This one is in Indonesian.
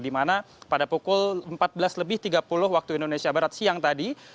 dimana pada pukul empat belas tiga puluh waktu indonesia barat siang tadi